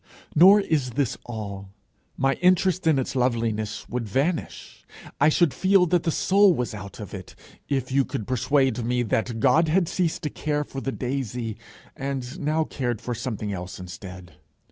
Nor is this all: my interest in its loveliness would vanish, I should feel that the soul was out of it, if you could persuade me that God had ceased to care for the daisy, and now cared for something else instead.